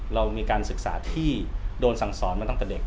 เรามีการศึกษาที่โดนสั่งสอนมาตั้งแต่เด็ก